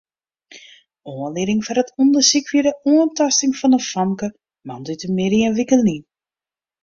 Oanlieding foar it ûndersyk wie de oantaasting fan in famke moandeitemiddei in wike lyn.